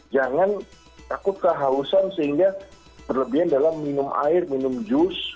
jangan takut kehausan sehingga berlebihan dalam minum air minum jus